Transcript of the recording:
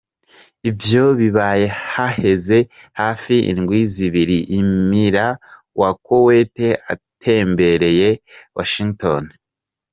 Ivyo bibaye haheze hafi indwi zibiri Emir wa Koweit atembereye Washington.